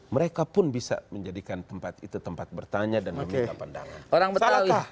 mereka pun bisa menjadikan tempat itu tempat bertanya dan meminta pandangan